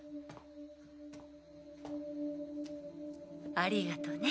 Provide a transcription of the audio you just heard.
ありがとね